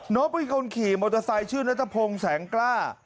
น้องเป็นคนขี่มอเตอร์ไซค์ชื่อณทะพงแสงกล้า